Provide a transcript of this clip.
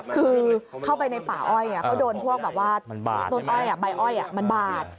คือเข้าไปในป่าอ้อยเขาโดนต้นอ้อยใบอ้อยมันบาด